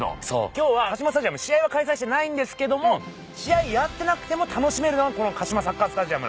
今日はカシマスタジアム試合は開催してないんですけども試合やってなくても楽しめるのがこのカシマサッカースタジアムなんで。